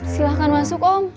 silahkan masuk om